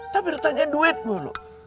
tapi ditanyain duit gue loh